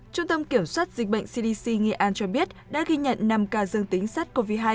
trung tâm kiểm soát dịch bệnh cdc nghệ an cho biết đã ghi nhận năm ca dương tính sars cov hai